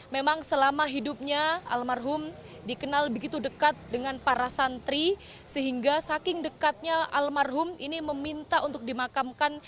memang selama hidupnya almarhum dikenal begitu dekat dengan para santri sehingga saking dekatnya almarhum ini meminta untuk dimakamkan